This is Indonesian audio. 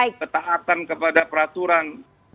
ketahatan kepada peraturan